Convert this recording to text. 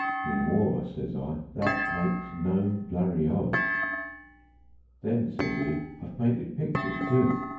"In war," says I, "that makes no blurry odds." Then says 'e: "I've painted picters too.